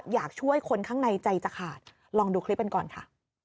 อยากช่วยคนข้างในใจจะขาดลองดูคลิปกันก่อนค่ะ